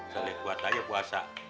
selewat aja puasa